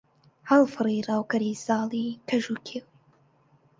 هەڵفڕی ڕاوکەری زاڵی کەژ و کێو